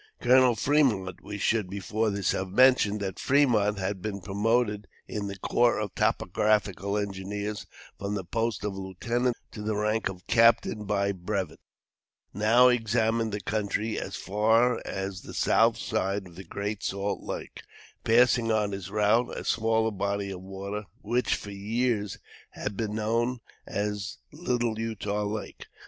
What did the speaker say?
Col. Fremont (we should before this have mentioned that Fremont had been promoted in the corps of Topographical Engineers from the post of Lieutenant to the rank of Captain by brevet) now examined the country as far as the south side of the Great Salt Lake, passing on his route a smaller body of water, which, for many years, has been known as Little Utah Lake.